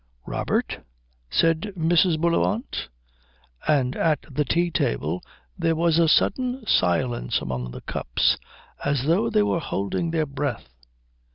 "Robert?" said Mrs. Bullivant; and at the tea table there was a sudden silence among the cups, as though they were holding their breath.